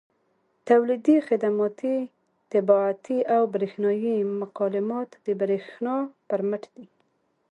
تولیدي، خدماتي، طباعتي او برېښنایي مکالمات د برېښنا پر مټ دي.